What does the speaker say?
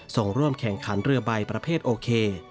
ส่งร่วมแข่งขันเรือใบประเภทโอเค